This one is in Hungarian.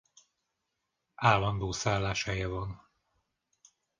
Állandó szálláshelye van.